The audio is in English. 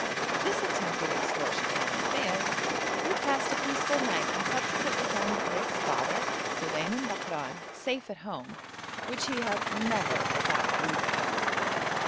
This attempt at extortion having failed, we passed a peaceful night and subsequently found Mokaik's father, Suleiman Bakran, safe at home, which he had never thought of leaving.